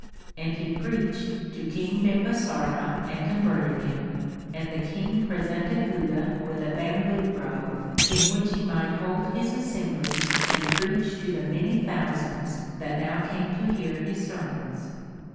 And he preached to King Bimbasara and converted him, and the King presented Buddha with a bamboo grove in which he might hold his assemblies and preach to the many thousands that now came to hear his sermons.